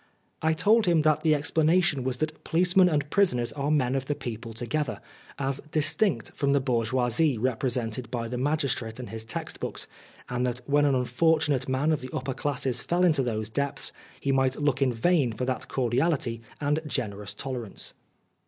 I told him that the explanation was that policemen and prisoners are men of the people together, as distinct from the bourgeoisie represented by the magistrate and his text books, and that when an unfortunate man of the upper classes fell into those depths, he might look in vain for that cordiality and generous tolerance.